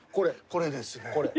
これですね。